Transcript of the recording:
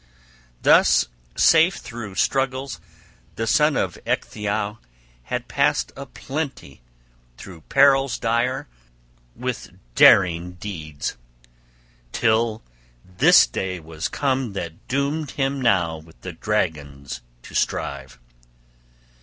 {32a} Thus safe through struggles the son of Ecgtheow had passed a plenty, through perils dire, with daring deeds, till this day was come that doomed him now with the dragon to strive.